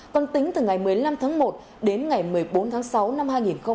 còn tính từ ngày một mươi năm tháng một đến ngày một mươi bốn tháng sáu năm hai nghìn hai mươi